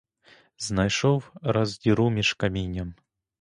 Знайшов раз діру між камінням.